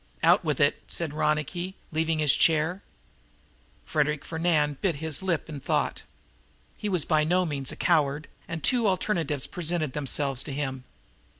"Out with it," said Ronicky, leaving his chair. Frederic Fernand bit his lip in thought. He was by no means a coward, and two alternatives presented themselves to him.